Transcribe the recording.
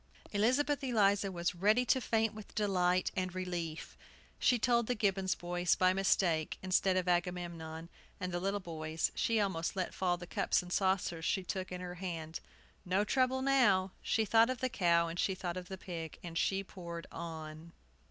Elizabeth Eliza was ready to faint with delight and relief. She told the Gibbons boys, by mistake, instead of Agamemnon, and the little boys. She almost let fall the cups and saucers she took in her hand. "No trouble now!" She thought of the cow, and she thought of the pig, and she poured on.